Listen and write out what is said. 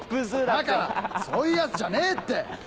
だからそういうヤツじゃねえって！